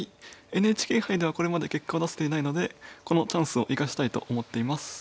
ＮＨＫ杯ではこれまで結果を出せていないのでこのチャンスを生かしたいと思っています。